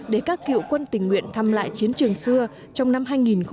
để các cựu quân tình nguyện thăm lại chiến trường xưa trong năm hai nghìn một mươi bảy